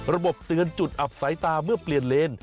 เตือนจุดอับสายตาเมื่อเปลี่ยนเลน